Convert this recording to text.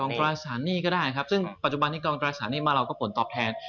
ตราสารหนี้ก็ได้ครับซึ่งปัจจุบันนี้กองตราสารหนี้มาเราก็ผลตอบแทน